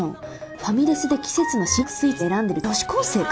ファミレスで季節の新作スイーツ選んでる女子高生か？